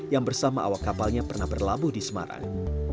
yang bersama awak kapalnya pernah berlabuh di semarang